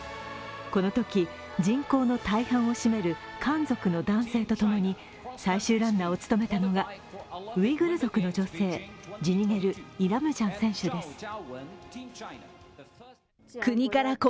このとき、人口の大半を占める漢族の男性とともに最終ランナーを務めたのがウイグル族の女性、ジニゲル・イラムジャン選手です。